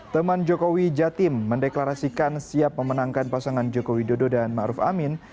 teman jokowi jatim mendeklarasikan siap memenangkan pasangan jokowi dodo dan ma'ruf amin